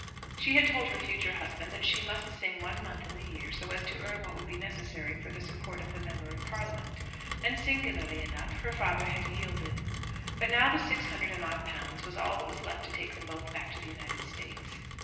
She had told her future husband that she must sing one month in the year so as to earn what would be necessary for the support of the Member of Parliament, and singularly enough her father had yielded. But now the six hundred and odd pounds was all that was left to take them both back to the United States.